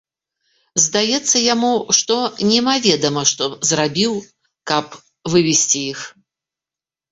Здаецца яму, што немаведама што б зрабіў, каб вывесці іх.